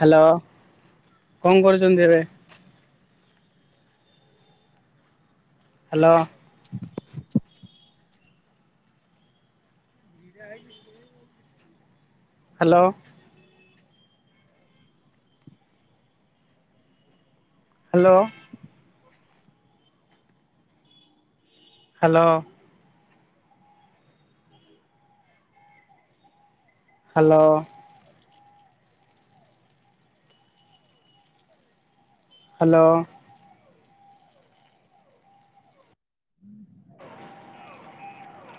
Hello କଣ କରୁଛନ୍ତି ଏବେ? Hello. [unintelligible] Hello. Hello. Hello. Hello. Hello.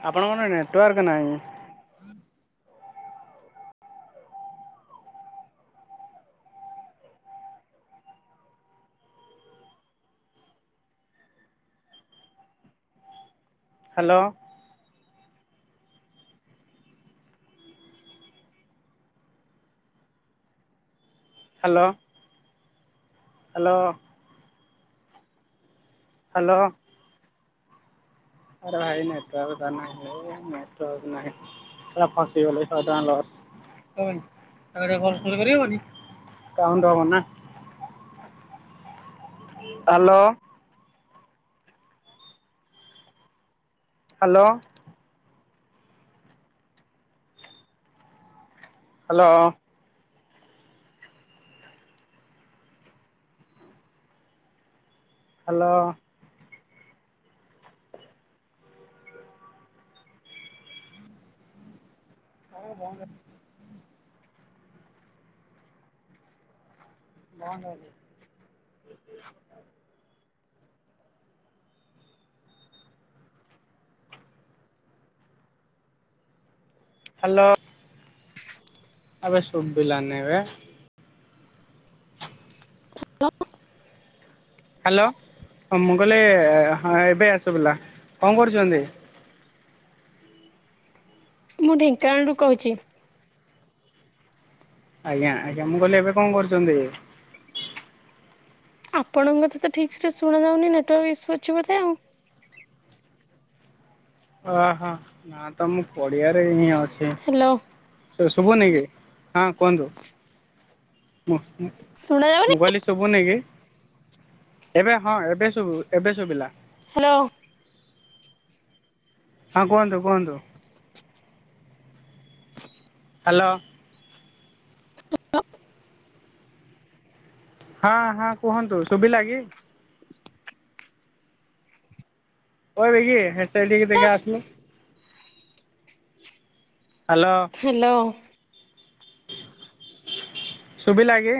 ଆପଣଙ୍କର ନେଟୱାର୍କ ନାହିଁ। ହ୍ୟାଲୋ। ହ୍ୟାଲୋ। ହ୍ୟାଲୋ। ହ୍ୟାଲୋ। ଆରେ ଭାଇ ନେଟୱାକ ତା ନାହିଁ ଏ ନେଟୱାକ ତ ନାହିଁ। ପୁରା ଫସିଗଲି ଶହେ ଟଙ୍କା ଲସ। କାଉଣ୍ଟ ହବ ନା। Hello. Hello. Hello. Hello. [unintelligible] [unintelligible] Hello. ଆବେ ସୁବିଲାନି ବେ। [unintelligible] ହ୍ୟାଲୋ ହଁ ମୁଁ କହିଲି ହଁ ଏବେ ସୁଭିଲା କଣ କରୁଛନ୍ତି? ମୁଁ ଢେଙ୍କାନାଳରୁ କହୁଛି। ଆଜ୍ଞା ଆଜ୍ଞା ମୁଁ କହିଲି ଏବେ କଣ କରୁଛନ୍ତି। ଆପଣଙ୍କ କଥା ତ ଠିକ୍ ଶୁଣାଯାଉନି ନେଟୱାର୍କ ଇସ୍ୟୁ ଅଛି ବୋଧେ ଆଉ। ଓହୋ ନା ତ ମୁଁ ପଡି଼ଆରେ ହିଁ ଅଛି। ହ୍ୟାଲୋ। ଶୁଭୁନି କି ହଁ କୁହନ୍ତୁ। ଶୁଣା ଯାଉନି ମୁଁ କହିଲି ଶୁଭୁନି କି? ଏବେ ହଁ ଏବେ ଶୁଭୁ ଏବେ ଶୁଭିଲା। ହ୍ୟାଲୋ ହଁ କୁହନ୍ତୁ କୁହନ୍ତୁ ହ୍ୟାଲୋ ହ [inaudible] ହଁ ହଁ କୁହନ୍ତୁ ଶୁଭିଲା କି? କହିବ କି ସେଠିକି ଟେ ଆସିଲୁ। ହ୍ୟାଲୋ ହ୍ୟାଲୋ ଶୁଭିଲା କି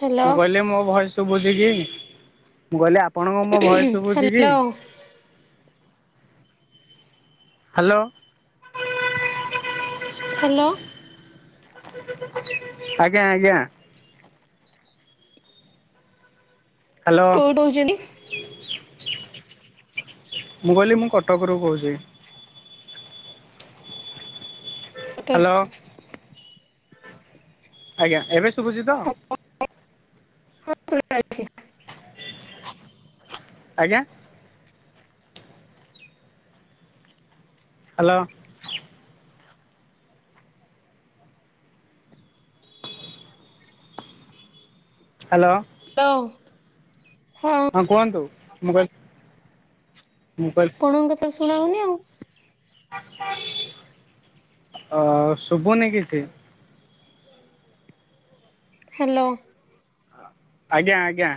ହ୍ୟାଲୋ ମୁଁ କହିଲି ମୋ ଭୟସ ଶୁଭୁଛି କି ମୁଁ କହିଲି ଆପଣଙ୍କୁ ମୋ ଭୟସ ଶଭୁଛି କି? ହ୍ୟାଲୋ ହ୍ୟାଲୋ ହ୍ୟାଲୋ ଆଜ୍ଞା ଆଜ୍ଞା ହ୍ୟାଲୋ କୋଉଠୁ କହୁଛନ୍ତି ମୁଁ କହିଲି ମୁଁ କଟକରୁୁ କହୁଛି। ହ୍ୟାଲୋ କଟକ୍ ଆଜ୍ଞା ଏବେ ଶୁଭୁଛି ତ? ହଁ ଶ [inaudible] ଅଛି ଆଜ୍ଞା ହ୍ୟାଲୋ ହ୍ୟାଲୋ ହ୍ୟାଲୋ ହଁ କୁହନ୍ତୁ ମୁକଲ ମୁକଲ ପଣଙ୍କୁ ତ ଶୁଣା ହଉନି ଆଉ। ଅ ଶୁଭୁନି କିଛି ହ୍ୟାଲୋ ଆଜ୍ଞା ଆଜ୍ଞା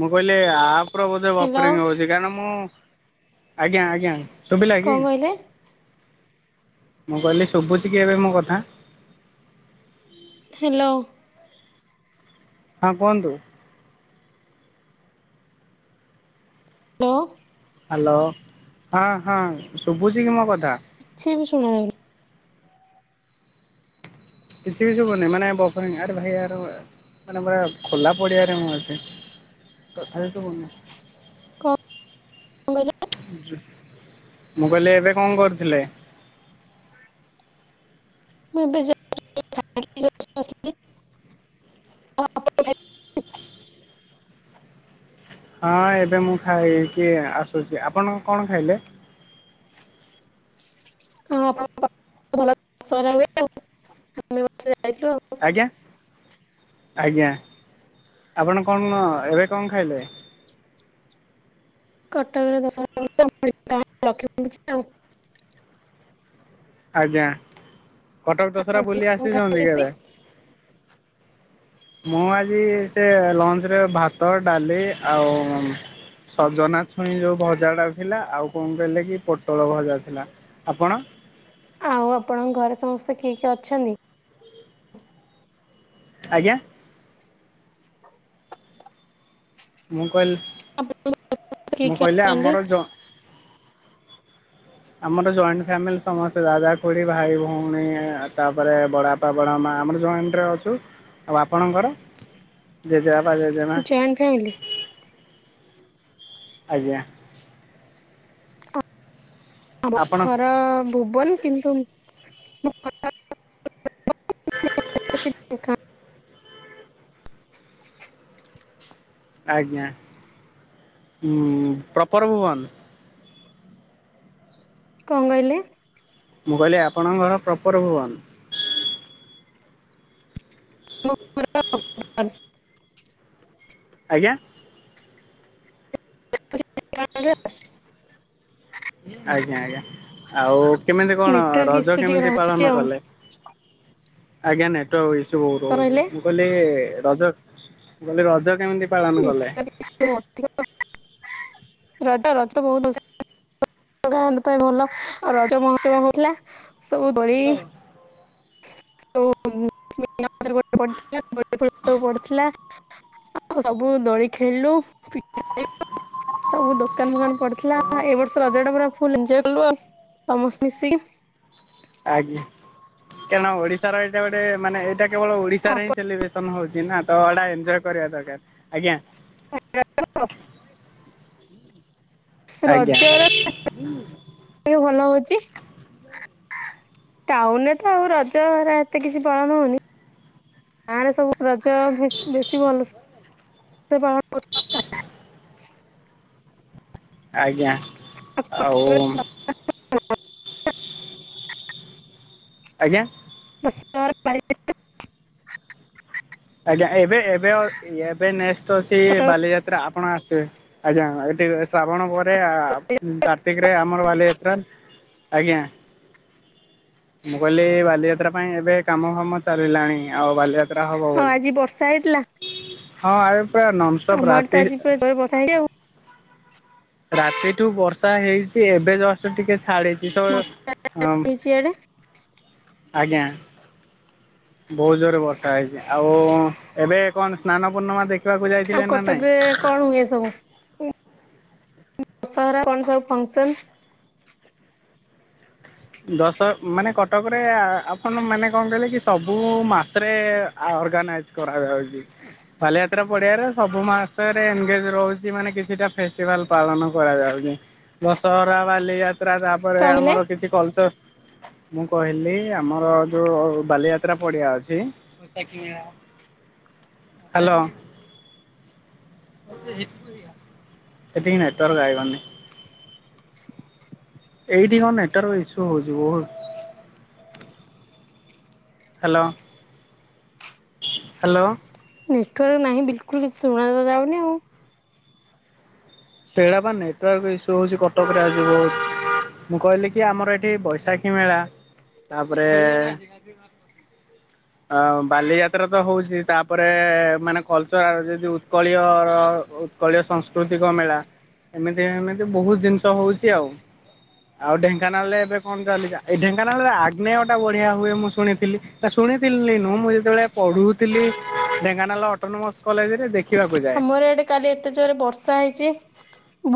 ମୁଁ କହିଲି ଆପଣ ବୋଧେ ହ୍ୟାଲୋ ବାପରିଙ୍ଗ ହଉଛି କାରଣ ମୁଁ ଆଜ୍ଞା ଆଜ୍ଞା ଶୁଭିଲା କି କଣ କହିଲେ ମୁଁ କହିଲି ଶୁଭୁଛି କି ଏବେ ମୋ କଥା? ହ୍ୟାଲୋ ହଁ କୁହନ୍ତୁ ତ ହ୍ୟାଲୋ ହଁ ହଁ ଶୁଭୁଛି କି ମୋ କଥା? ଛି ବି ଶୁଣାଯାଉନି କିଛି ବି ଶୁଭୁନି ମାନେ ଆରେ ଭାଇ ଆ ମାନେ ପୁରା ଖୋଲା ପଡିଆରେ ମୁଁ ଅଛି। ତାଥାବି କଣ କହିଲେ ସୁବୁନି। ମୁଁ କହିଲି ଏବେ କଣ କରୁଥିଲେ। ମୁଁ ଏବେ। [inaudible] ଆଉ ଆପଣ ହଁ ଏବେ ମୁଁ ଖାଇକି ଆସୁଛି ଆପଣ କଣ ଖାଇଲେ। ହଁ ଆପଣଙ୍କ ଭଲ ସ ହୁଏ ଆଉ ଆମେ ବ ଯାଇଥିଲୁ ଆଉ [inaudible] ଆଜ୍ଞା ଆଜ୍ଞା ଆପଣ କଣ ଏବେ କଣ ଖାଇଲେ। କଟକରେ ଦଶ ରଖିଛି ଆଉ [inaudible] ଆଜ୍ଞା କଟକ ଦଶରା ଆଜି ବୁଲି କଣ ଆସିଛନ୍ତି ଖାଇଛନ୍ତି? କେବେ। ମୁଁ ଆଜି ସେ ଲଞ୍ଚ ରେ ଭାତ, ଡାଲି ଆଉ ସଜନା ଛୁଇଁ ଯୋଉ ଭଜାଟା ଥିଲା ଆଉ କଣ କହିଲେ କି ପୋଟଳ ଭଜା ଥିଲା। ଆପଣ ଆଉ ଆପଣଙ୍କ ଘରେ ସମସ୍ତେ କିଏ କିଏ ଅଛନ୍ତି? ଆଜ୍ଞା। ମୁଁ କହିଲି ଆପଣ କିଏ ମୁଁ କିଏ କହିଲି ଅଛନ୍ତି? ଆମର ଜ ଆମର ଜଏଣ୍ଟ ଫ୍ୟାମିଲି ସମସ୍ତେ ଦାଦା ଖୁଡି ଭାଇ ଭଉଣୀ ତାପରେ ବଡ ପାବଣ ମା ଆମର ଜଏଣ୍ଟରେ ଅଛୁ ଆଉ ଆପଣଙ୍କର ଜେଜେବା ଜେଜେମା। Joint family? ଆଜ୍ଞା। ଆମ ଆପଣ ଘର ଭୁବନ କିନ୍ତୁ [inaudible] କଣ ଆଜ୍ଞା ହୁଁ ପ୍ରପର ଭୁବନ। କ ଣ କହିଲେ? ମୁଁ କହିଲି ଆପଣଙ୍କ ଘର ପ୍ରପର ଭୁବନ। [unintelligible] ଆଜ୍ଞା। [unintelligible] ଆଜ୍ଞା ଆଜ୍ଞା ଆଉ କେମିତି କଣ ନେଟୱାର୍କ ରଜ ଇସୁ ଟିକେ କେମିତି ରହୁଛି ପାଳନ ଆଉ। କଲେ? ଆଜ୍ଞା ନେଟୱାର୍ ଇସୁ ବହୁତ କଣ ହହୁଛି କହିଲେ? ମୁଁ କହିଲି ରଜ ମୁଁ କହିଲି ରଜ କେମିତି ପାଳନ କଲେ? ନେଟୱାର୍କ ଅଧିକ ରଜ ରଜ ବହୁତ ଗା ପାଇଁ ଭଲ ଆଉ ରଜ ମହୋସୟ ହଉଥିଲା ସବୁ ଦଳି। [unintelligible] ପଡିଥିଲା। ଆଉ ସବୁ ଦୋଳି ଖେଳିଲୁ [unintelligible] ସବୁ ଦୋକାନ ଫୋକାନ ପଡିଥିଲା ଏ ବର୍ଷ ରଜ ଟା ପୁରା ଫଲ କଲୁ ଆଉ। ସମସ୍ତେ ମିିଶିକି ଆଜ୍ଞା କାରଣ ଓଡିଶାର ଏଇଟା ଗୋଟେ ମାନେ ଏଇଟା। କେବଳ ଓଡିଶାରେ ଆପଣ ହିଁ ସେଲିବ୍ରେସନ ହଉଛି ନା ତ ଏଟା ଏନ୍ଜୟ କରିବା ଦରକାର ଆଜ୍ଞା। [unintelligible] ଆଜ୍ଞା ରଜର ଟିକେ ଭଲ ହଉଛି। ଟାଉନରେ ତ ଆଉ ରଜରେ ଏତେ କିଛି ପାଳନ ହଉନି। ଗାଁ ରେ ସବୁ ରଜ ବେଶୀ ଭଲ ପାଳନ କର। ଆଜ୍ଞା ଆଉ। ଆଜ୍ଞା। [unintelligible] ଆଜ୍ଞା ଏବେ ଏବେ ଏବେ ନେକ୍ସଟ୍ ଅଛି ବାଲିଯାତ୍ରା ଆପଣ ଆସିବେ। ଆଜ୍ଞା ଏଠି ଶ୍ରାବଣ ପରେ କାର୍ତ୍ତିକ ରେ ଆମର ବାଲିଯାତ୍ରା ଆଜ୍ଞା। ମୁଁ କହିଲି ବାଲିଯାତ୍ରା ପାଇଁ ଏବେ କାମ ଫାମ ଚାଲିଲାଣି ଆଉ ବାଲିଯାତ୍ରା। ହବ ଆଉ ଆଜି ବର୍ଷା ହେଇଥିଲା ବୋଲି ହଁ ଏ ପୁରା ଆମ ନନପ ଆଡେ ତ ରାତି। ଆଜି [unintelligible] ରାତିଠୁ ବର୍ଷା ହେଇଛି ଏବେ ଜଷ୍ଟ ଟିକେ ଛାଡିଛି। ଏସ ବର୍ଷା ହେଇଛି ଇଆଡେ ଆଜ୍ଞା [unintelligible] ବହୁତ ଜୋର ରେ ବର୍ଷା ହେଇଛି ଆଉ ଏବେ କଣ ସ୍ନାନ ପୂର୍ଣ୍ଣିମା ଦେଖି ଆଉ କଟକ ରେ କଣ ହୁଏ ଏ ସବୁ। ଦଶହରା କଣ ସବୁ ଫଙ୍କସନ ଦଶ [inaudible] ମାନେ କଟକରେ ଆପଣ ମାନେ କଣ କହିଲେ କି ସବୁ ମାସରେ ଅର୍ଗାନାଇଜ୍ କରାଯାଉଛି। ବାଲିଯାତ୍ରା ପଡିଆରେ ସବୁ ମାସରେ ଏଙ୍ଗଜ ରହୁଛି ମାନେ କିଛିଟା ଫେଷ୍ଟିଭାଲ ପାଳନ କରାଯାଉଛି। ଦଶହରା ବାଲିଯାତ୍ରା ତାପରେ କଣ କହିଲେ? ଆମର କିଛି କଲଚର ମୁଁ କହିଲି ଆମର ଯୋଉ ବାଲିଯାତ୍ରା ପଡିଆ ଅଛି। ହ୍ୟାଲୋ। ସେଠିକି ନେଟୱାର୍କ ଆଇବନି। [inaudible] ଏଇଠି କଣ ନେଟୱାର୍କ ଇସୁ ହଉଛି ବହୁତ। Hello hello. ନେଟୱାର୍କ ନାହିଁ ବିଲକୁଲ କିଛି ଶୁଣା ତ ଯାଉନି ଆଉ। ସେଟା ବା ନେଟୱାର୍କ ଇସୁ ହଉଛି କଟକ ରେ ଆଜିିବ ବହୁତ। ମୁଁ କହିଲି କି ଆମର ଏଠି ବୈଶାଖୀ ମେଳା ତାପରେ ଆ ବାଲିଯାତ୍ରା ତ ହଉଛି ତାପରେ ମାନେ କଲଚରାଲ ଯଦି ଉତ୍କଳୀୟର କଳିୀୟ ସଂସ୍କୃତିକ ମେଳା ଏମିତି ଏମିତି ବହୁତ ଜିନିଷ ହଉଛି ଆଉ। ଆଉ ଢେଙ୍କାନାଳରେ ଏବେ କଣ ଚାଲିଛି ଏଇ ଢେଙ୍କାନାଳରେ ଆଗ୍ନୟଟା ବଢିଆ ହୁଏ ମୁଁ ଶୁଣିଥିଲି ଶୁଣିଥିଲି ନୁ ମୁଁ ଯେତେବେଳେ ପଢୁଥିଲି ଢେଙ୍କାନାଳ ଅଟୋନୋମସ କଲେଜରେଦେ ଆମର ଇଆଡେ କାଲି ଏତେ ଜୋରେ ବର୍ଷା ହେଇଛି।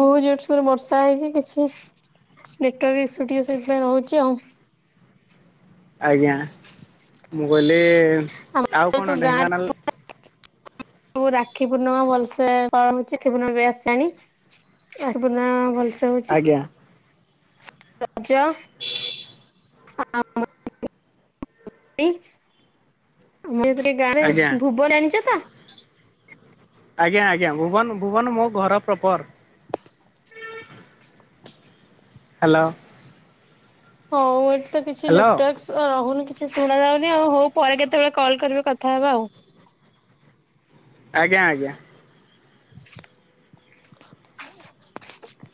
ବହୁତ ଜୋରସୋରେ ବର୍ଷା ହେଇଛି କିଛି ନେଟୱାର୍କ ଇସୁ ଟିକେ ସେଥିପାଇଁ ରହୁଛି ଆଉ। ଆଜ୍ଞା ମୁଁ କହିଲି ଆମ ଆଉ କଣ ଢେଙ୍କାନାଳ ମୁଁ ରାକ୍ଷୀ ପୂର୍ଣ୍ଣିମା ଭଲସେ ହ ରାକ୍ଷୀ ପୂର୍ଣ୍ଣିମା ବି ଆସିଚାଣି ରାକ୍ଷୀ ପୂର୍ଣ୍ଣିମା ଭଲସେ ହଉଛି। ଆଜ୍ଞା। ରଜ। [unintelligible] ଆମେ ଟିକେ ଗାଁରେ ଆଜ୍ଞା ଭୁବ ଜାଣିଛ? ଆଜ୍ଞା ଆଜ୍ଞା ଭୁବନ ଭୁବନ ମୋ ଘର ପ୍ରପର। ହ୍ୟାଲୋ। ହଁଊ ଏଠି ତ କିଛି ହ୍ୟାଲୋ ନେଟୱାର୍କ ରହୁନି କିଛି ଶୁଣା ଯାଉନି ଆଉ ହଉ ପରେ କେତେବେଳେ କଲ୍ କରିବେ କଥାହେବା ଆଉ। ଆଜ୍ଞା ଆଜ୍ଞା। ଆସ୍